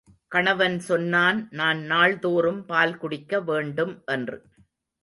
கணவன் சொன்னான் நான் நாள்தோறும் பால் குடிக்க வேண்டும் என்று.